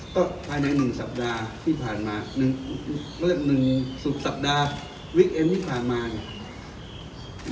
ก็ภายในหนึ่งสัปดาห์ที่ผ่านมาหนึ่งหนึ่งสุดสัปดาห์ที่ผ่านมาเนี่ย